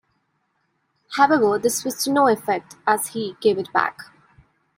However, this was to no effect, as he gave it back.